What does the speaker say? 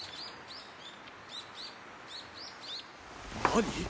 何！？